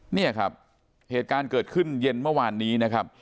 เนี่ยครับสิ่งสิบสี่